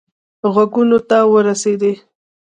غوږونو ته ورسېدی.